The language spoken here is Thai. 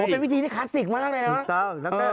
เป็นวิธีที่คลาสสิกมากเลยนะ